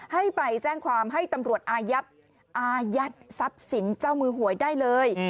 ให้ไปแจ้งความให้ตำรวจอาญัติสับสินเจ้ามือหวยได้เลย